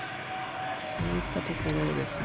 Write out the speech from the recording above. そういったところですね。